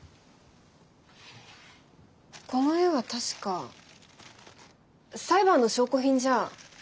この絵は確か裁判の証拠品じゃ？